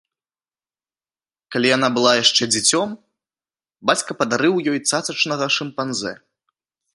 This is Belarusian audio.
Калі яна была яшчэ дзіцем, бацька падарыў ёй цацачнага шымпанзэ.